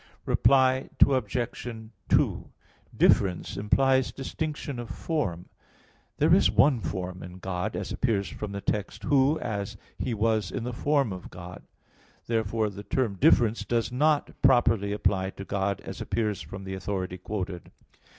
Reply Obj. 2: "Difference" implies distinction of form. There is one form in God, as appears from the text, "Who, when He was in the form of God" (Phil. 2:6). Therefore the term "difference" does not properly apply to God, as appears from the authority quoted.